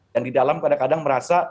yang di dalam kadang kadang merasa